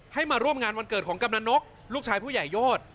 มาร่วมงานวันเกิดของกำลังนกลูกชายผู้ใหญ่โยชน์